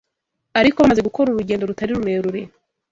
Ariko bamaze gukora urugendo rutari rurerure